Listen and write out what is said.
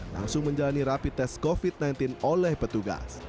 langsung menjalani rapid test covid sembilan belas oleh petugas